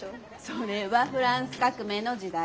それはフランス革命の時代。